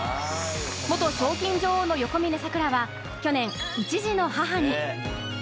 元賞金女王の横峯さくらは、去年、１児の母に。